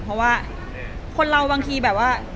เพราะว่าคนเราบางทีแบบว่า